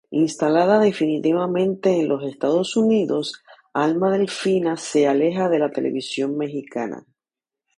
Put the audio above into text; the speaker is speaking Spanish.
Instalada definitivamente en los Estados Unidos, Alma Delfina se aleja de la televisión mexicana.